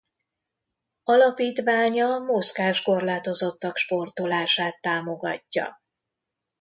Alapítványa mozgáskorlátozottak sportolását támogatja.